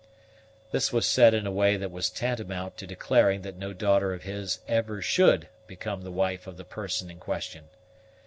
This was said in a way that was tantamount to declaring that no daughter of his ever should become the wife of the person in question.